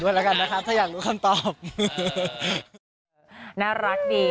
เวลาก็จะแต่งเลยมั้ยครับ